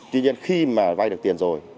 tuy nhiên khi mà vai được tiền rồi